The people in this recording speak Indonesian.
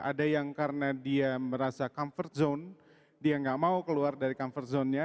ada yang karena dia merasa comfort zone dia nggak mau keluar dari comfort zone nya